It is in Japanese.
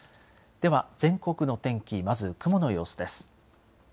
では全国の天気、まず雲の様子です。